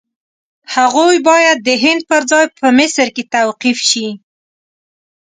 هغوی باید د هند پر ځای په مصر کې توقیف شي.